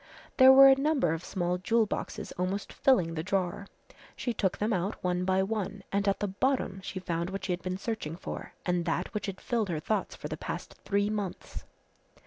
There were a number of small jewel boxes almost filling the drawer. She took them out one by one and at the bottom she found what she had been searching for and that which had filled her thoughts for the past three months.